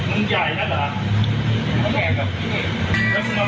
มันใหญ่น่ะหรอ